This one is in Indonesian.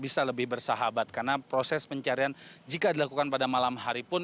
bisa lebih bersahabat karena proses pencarian jika dilakukan pada malam hari pun